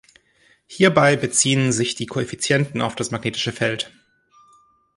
Hierbei beziehen sich die Koeffizienten auf das magnetische Feld.